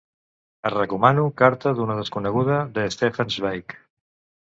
Et recomano "Carta d'una desconeguda", de Stefan Zweig.